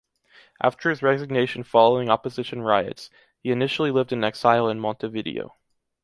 After his resignation following opposition riots, he initially lived in exile in Montevideo.